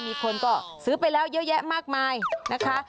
มีคนก็ซื้อไปแล้วเยอะแยะมากมายนะคะ